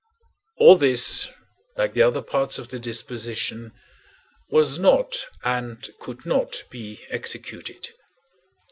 All this, like the other parts of the disposition, was not and could not be executed.